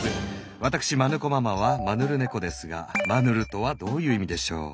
わたくしマヌ子ママはマヌルネコですが「マヌル」とはどういう意味でしょう？